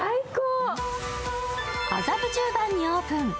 麻布十番にオープン。